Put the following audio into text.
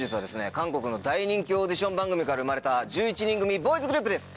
韓国の大人気オーディション番組から生まれた１１人組ボーイズグループです！